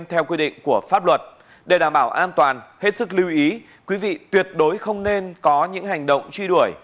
tiết sức lưu ý quý vị tuyệt đối không nên có những hành động truy đuổi